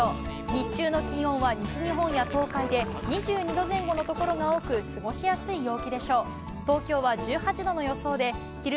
日中の気温は西日本や東海で２２度前後の所が多く、過ごしやすいあれ？